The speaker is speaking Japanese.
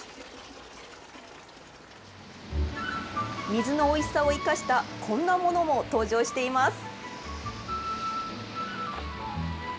水のおいしさを生かした、こんなものも登場しています。